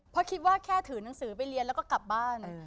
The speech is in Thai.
เพราะคิดว่าแค่ถือหนังสือไปเรียนแล้วก็กลับบ้าน